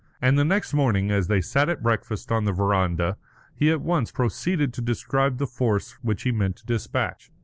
And the next morning, as they sat at breakfast on the verandah, he at once proceeded to describe the force which he meant to despatch.